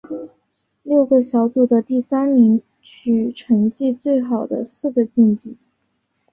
六个小组的第三名取成绩最好的四个晋级。